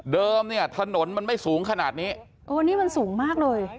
เนี่ยถนนมันไม่สูงขนาดนี้โอ้นี่มันสูงมากเลย